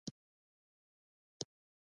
ډېری مسلمانانو ته په بوډاتوب کې ګور وریادېږي.